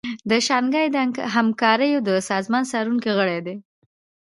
د شانګهای د همکاریو د سازمان څارونکی غړی دی